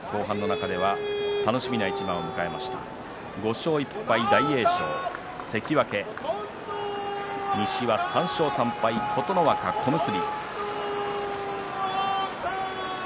楽しみな一番を迎えました５勝１敗、大栄翔関脇西は３勝３敗、琴ノ若、小結。